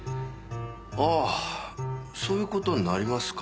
ああそういう事になりますかね。